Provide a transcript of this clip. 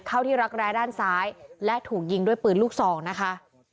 เข้าที่รักแร้ด้านซ้ายและถูกยิงด้วยปืนลูกซองนะคะ